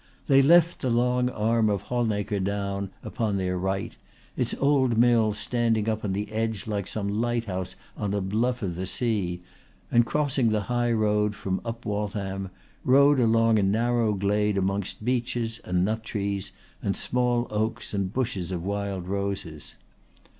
They left the long arm of Halnaker Down upon their right, its old mill standing up on the edge like some lighthouse on a bluff of the sea, and crossing the high road from Up Waltham rode along a narrow glade amongst beeches and nut trees and small oaks and bushes of wild roses.